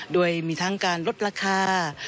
โดยมีทั้งการลดราคา